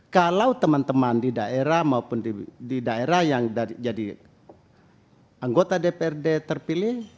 kalau teman teman di daerah maupun di daerah yang jadi anggota dprd terpilih